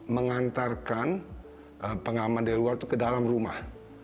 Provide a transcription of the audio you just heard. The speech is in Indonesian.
mengantarkan pengaman dari luar itu ke dalam rumah